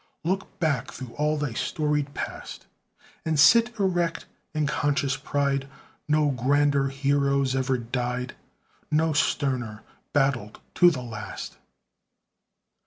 Look back through all thy storied past, And sit erect in conscious pride: No grander heroes ever died No sterner, battled to the last!